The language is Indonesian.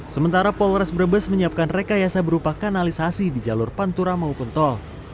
sementara polres brebes menyiapkan rekayasa berupa kanalisasi di jalur pantura maupun tol